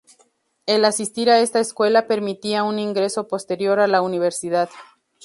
El asistir a esta escuela permitía un ingreso posterior en la universidad.